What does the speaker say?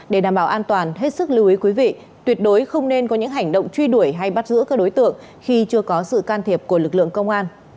để đảm bảo an toàn hết sức lưu ý quý vị tuyệt đối không nên có những hành động truy đuổi hay bắt giữ các đối tượng khi chưa có sự can thiệp của lực lượng công an